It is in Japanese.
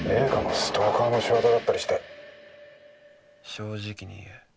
正直に言え。